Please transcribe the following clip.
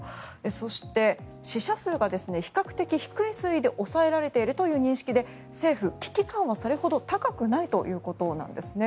そして、死者数が比較的低い推移で抑えられているという認識で政府、危機感はそれほど高くないということなんですね。